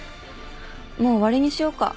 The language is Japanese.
もう終わりにしようか。